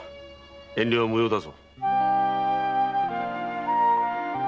遠慮は無用だぞ。